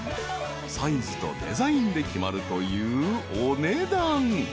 ［サイズとデザインで決まるというお値段］